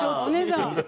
お姉さん！